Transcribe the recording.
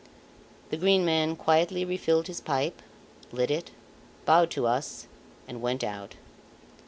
The Green Man quietly refilled his pipe, lit it, bowed to us, and went out.